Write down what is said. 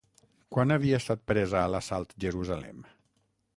Quan havia estat presa a l'assalt Jerusalem?